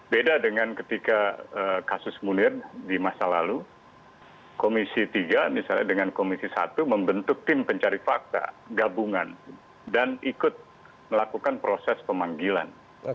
beda dengan ketika kasus munir di masa lalu komisi tiga misalnya dengan komisi satu membentuk tim pencari fakta gabungan dan ikut melakukan proses pemanggilan